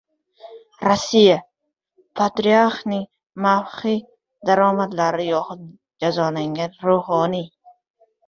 Rossiya: patriarxning maxfiy daromadlari yoxud jazolangan ruhoniy